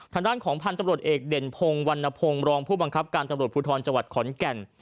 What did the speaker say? ทางด้านของพันธุ์ตำรวจเอกเด่นพงศ์วันนพงศ์รองผู้บังคับการตำรวจภูทรจังหวัดขอนแก่น